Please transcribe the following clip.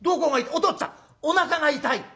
「おとっつぁんおなかが痛い」。